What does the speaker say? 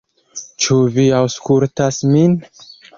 Ĉu vi aŭskultas min?